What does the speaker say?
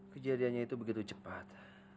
kejadiannya itu begitu cepat